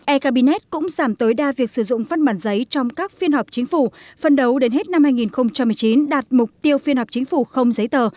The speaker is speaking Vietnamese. e cabinet cũng giảm tối đa việc sử dụng phân bản giấy trong các phiên họp chính phủ phân đấu đến hết năm hai nghìn một mươi chín đạt mục tiêu phiên họp chính phủ không giấy tờ